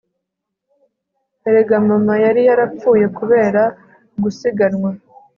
erega mama yari yarapfuye kubera gusiganwa